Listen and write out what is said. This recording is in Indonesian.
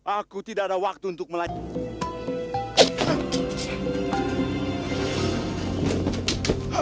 aku tidak ada waktu untuk melayani